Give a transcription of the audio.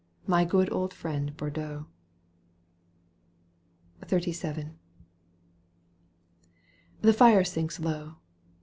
my good old friend Bordeaux ! XXXVII. The fire sinks low.